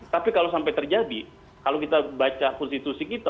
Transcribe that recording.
tapi kalau sampai terjadi kalau kita baca konstitusi kita